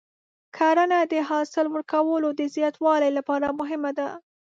کرنه د حاصل ورکولو د زیاتوالي لپاره مهمه ده.